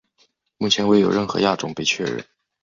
目前未有任何亚种被确认。